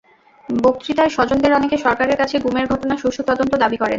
বক্তৃতায় স্বজনদের অনেকে সরকারের কাছে গুমের ঘটনার সুষ্ঠু তদন্ত দাবি করেন।